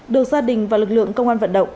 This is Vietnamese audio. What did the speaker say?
được gia đình và lực lượng công an vận động